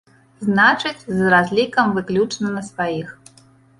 Значыць, з разлікам выключна на сваіх.